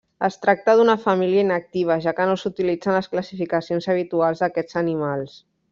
Es tracta d'una família inactiva, ja que no s'utilitza en les classificacions habituals d'aquests animals.